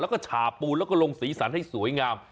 แล้วก็ฉาปูนแล้วก็ลงสีสันให้สวยงาม